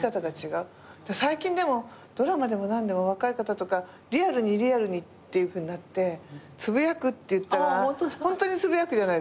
最近ドラマでも何でも若い方とかリアルにリアルにっていうふうになってつぶやくって言ったらホントにつぶやくじゃないですか。